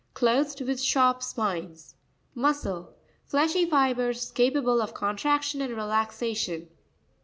— Clothed with sharp spines. Mo'scrr.—Fleshy fibres capable of contraction and relaxation.